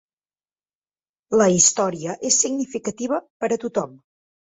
La història és significativa per a tothom.